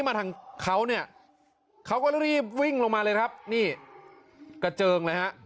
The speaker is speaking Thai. มาทางเขาเนี่ยเขาก็รีบวิ่งลงมาเลยครับนี่กระเจิงเลยฮะ